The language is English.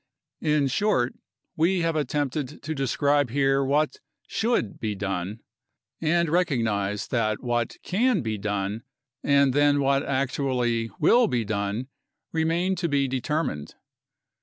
In short, we have attempted to describe here what should be done, and recognize XII UNDERSTANDING CLIMATIC CHANGE that what can be done and then what actually will be done remain to be determined.